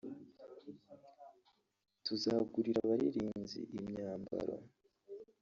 tuzagurira abaririmbyi imyambaro